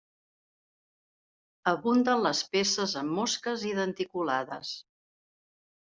Abunden les peces amb mosques i denticulades.